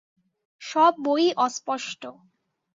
সব বইই অস্পষ্ট।